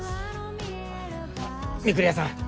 御厨さん